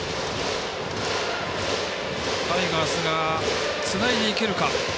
タイガースがつないでいけるか。